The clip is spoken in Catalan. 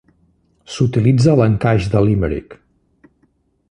S'utilitza a l'encaix de Limerick.